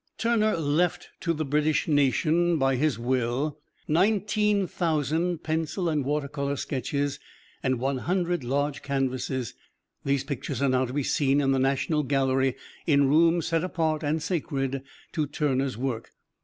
Turner left to the British Nation by his will nineteen thousand pencil and water color sketches and one hundred large canvases. These pictures are now to be seen in the National Gallery in rooms set apart and sacred to Turner's work.